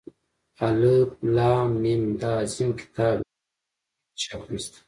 الف لام ، میم دا عظیم كتاب دى، په ده كې هېڅ شك نشته.